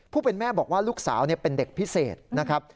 ผู้เป็นแม่บอกว่าลูกสาวเป็นเด็กพิเศษนะครับ